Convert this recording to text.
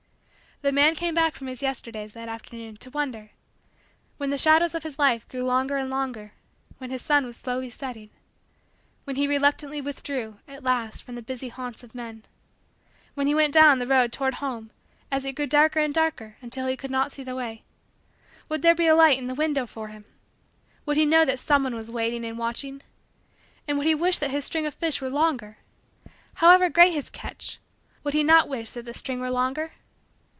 The man came back from his Yesterdays, that afternoon, to wonder: when the shadows of his life grew longer and longer when his sun was slowly setting when he reluctantly withdrew, at last, from the busy haunts of men when he went down the road toward home, as it grew darker and darker until he could not see the way, would there be a light in the window for him? Would he know that someone was waiting and watching? And would he wish that his string of fish were longer? However great his catch, would he not wish that the string were longer?